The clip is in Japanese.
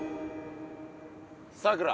さくら。